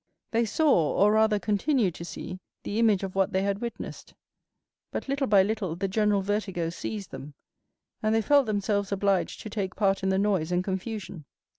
They saw, or rather continued to see, the image of what they had witnessed; but little by little the general vertigo seized them, and they felt themselves obliged to take part in the noise and confusion.